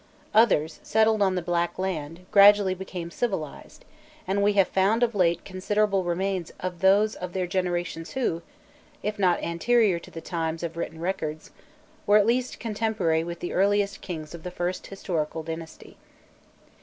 Others, settled on the Black Land, gradually became civilized, and we have found of late considerable remains of those of their generations who, if not anterior to the times of written records, were at least contemporary with the earliest kings of the first historical dynasty.